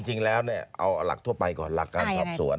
จริงแล้วเอาหลักทั่วไปก่อนหลักการสอบสวน